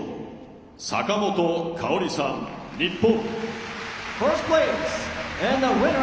坂本花織さん、日本。